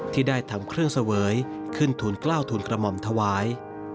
ที่ได้ทำเครื่องเสวยขึ้นทูลกล้าวทูลกระหม่อมถวาย